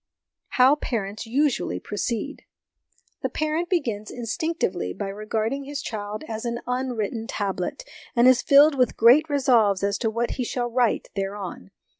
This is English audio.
1 How Parents usually proceed. The parent begins instinctively by regarding his child as an unwritten tablet, and is filled with great resolves as to what he shall write thereon.